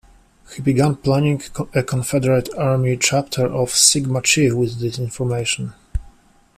He began planning a Confederate Army chapter of Sigma Chi with this information.